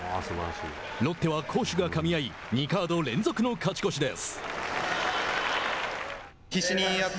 ロッテは攻守がかみ合い２カード連続の勝ち越しです。